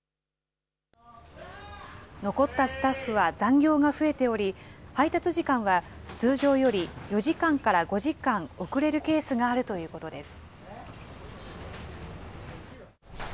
残ったスタッフは残業が増えており、配達時間は通常より４時間から５時間遅れるケースがあるということです。